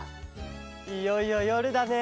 いよいよよるだね。